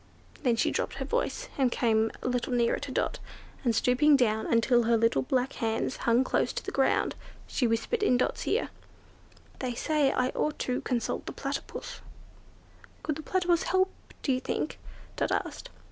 Then she dropped her voice, and came a little nearer to Dot, and stooping down until her little black hands hung close to the ground, she whispered in Dot's ear, "They say I ought to consult the Platypus." "Could the Platypus help, do you think?" Dot asked.